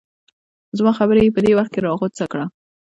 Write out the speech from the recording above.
زما خبره یې په دې وخت کې راغوڅه کړه.